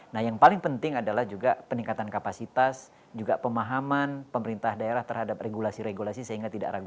nah yang paling penting adalah juga peningkatan kapasitas juga pemahaman pemerintah daerah terhadap regulasi regulasi sehingga tidak ragu